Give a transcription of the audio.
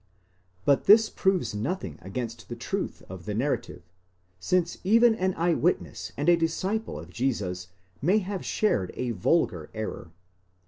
But this proves nothing against the truth of the narrative, since even an eye witness. and a disciple of Jesus may have shared a vulgar error.